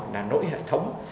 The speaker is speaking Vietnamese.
là nỗi hệ thống